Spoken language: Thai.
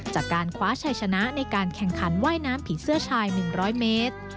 จากการคว้าชัยชนะในการแข่งขันว่ายน้ำผีเสื้อชาย๑๐๐เมตร